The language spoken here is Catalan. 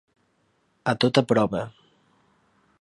A tota prova.